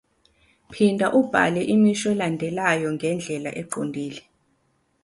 Phinda ubhale imisho elandelayo ngendlela eqondile.